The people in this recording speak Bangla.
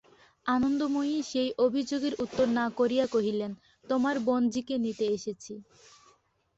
আনন্দময়ী সেই অভিযোগের উত্তর না করিয়া কহিলেন, তোমার বোনঝিকে নিতে এসেছি।